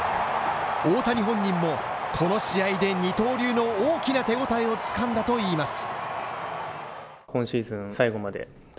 大谷本人もこの試合で二刀流の大きな手応えをつかんだといいます。